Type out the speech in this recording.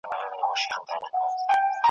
شیطاني صبر `